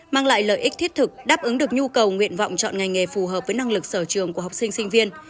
mang lại lợi ích thiết thực đáp ứng được nhu cầu nguyện vọng chọn ngành nghề phù hợp với năng lực sở trường của học sinh sinh viên